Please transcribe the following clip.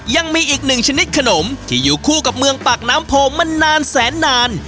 ยังมีอีกหนึ่งชนิดขนมที่อยู่คู่กับเมืองปากน้ำโพมานานแสนนาน